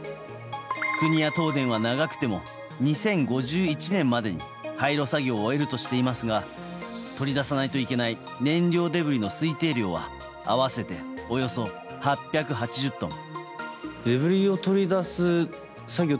国や東電は長くても２０５１年までに廃炉作業を終えるとしていますが取り出さないといけない燃料デブリの推定量は合わせておよそ８８０トン。